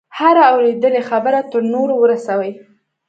هره اورېدلې خبره تر نورو ورسوي.